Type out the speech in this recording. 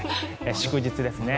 祝日ですね。